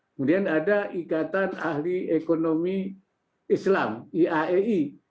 kemudian ada ikatan ahli ekonomi islam iaei